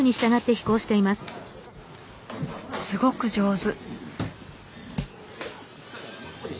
すごく上手。